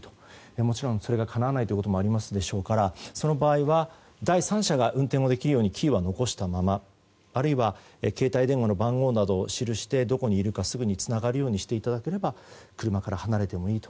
もちろんそれがかなわないということもありますでしょうからその場合は第三者が運転をできるようにキーは残したまま、あるいは携帯電話の番号などを記してどこにいるか、すぐにつながるようにしていただければ車から離れてもいいと。